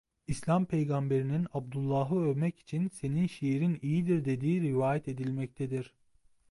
İslam peygamberinin Abdullah'ı övmek için "senin şiirin iyidir dediği" rivayet edilmektedir.